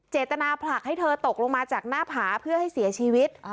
เจตนาผลักให้เธอตกลงมาจากหน้าผาเพื่อให้เสียชีวิต